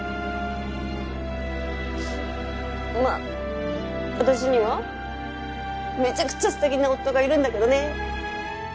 まあ私にはめちゃくちゃ素敵な夫がいるんだけどね